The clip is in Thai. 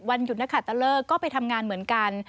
วันหยุดนะครับแล้วก็ไปทำงานเหมือนกัน